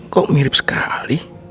kok mirip sekali